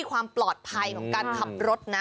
ความปลอดภัยของการขับรถนะ